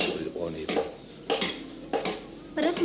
pada semalam kan tidak ada ujung